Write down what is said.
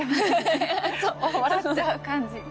フフフ笑っちゃう感じ。